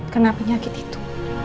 kenapa penyakit itu